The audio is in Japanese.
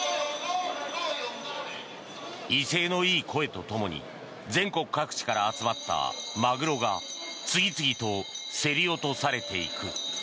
威勢のいい声とともに全国各地から集まったマグロが次々と競り落とされていく。